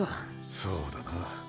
そうだな。